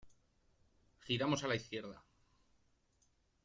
giramos a la izquierda.